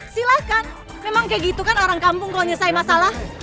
silahkan memang kayak gitu kan orang kampung kalau nyesai masalah